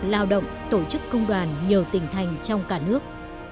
lao động tổ chức công đoàn nhiều tỉnh thành trong cả nước